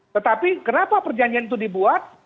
tetapi kenapa perjanjian itu dibuat